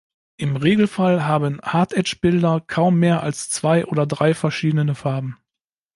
Im Regelfall haben Hard-Edge-Bilder kaum mehr als zwei oder drei verschiedene Farben.